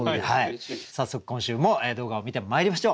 早速今週も動画を観てまいりましょう。